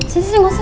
sisi sisi gak usah